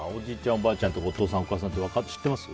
おばあちゃんとかお父さんお母さんとか知ってます？